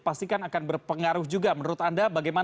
pasti kan akan berpengaruh juga menurut anda bagaimana